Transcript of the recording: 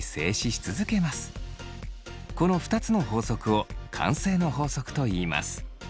この２つの法則を慣性の法則といいます。